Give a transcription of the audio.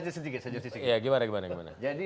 saya jelaskan sedikit